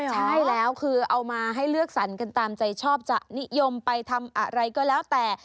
ใช่แล้วคือเอามาให้เลือกสรรกันตามใจชอบจะนิยมไปทำอะไรก็แล้วแต่